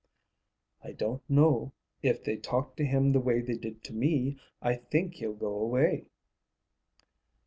"I don't know. If they talk to him the way they did to me, I think he'll go away."